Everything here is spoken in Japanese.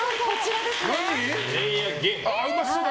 うまそう！